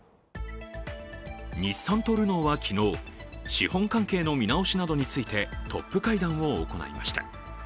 日産とルノーは昨日資本関係の見直しなどについてトップ会談を行いました。